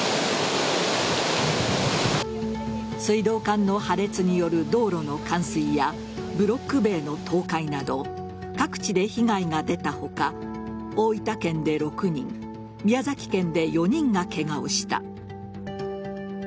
水道管の破裂による道路の冠水やブロック塀の倒壊など各地で被害が出た他大分県で６人宮崎県で４人がケガをした。